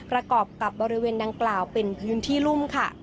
ประกอบกับบริเวณดังกล่าวเป็นพื้นที่รุ่มค่ะ